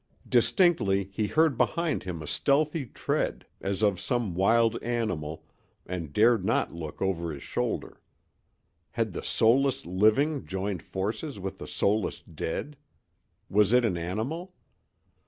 Distinctly he heard behind him a stealthy tread, as of some wild animal, and dared not look over his shoulder. Had the soulless living joined forces with the soulless dead?—was it an animal?